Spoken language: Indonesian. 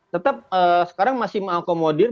tetap sekarang masih mengakomodir